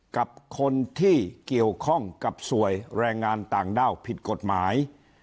กับคนที่เกี่ยวข้องกับสวยแรงงานต่างด้าวผิดกฎหมาย